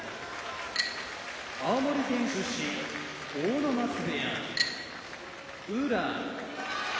青森県出身阿武松部屋宇良